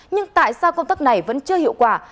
nhưng tại sao công tác này vẫn chưa hiệu quả